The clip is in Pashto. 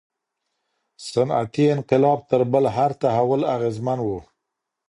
صنعتي انقلاب تر بل هر تحول اغیزمن و.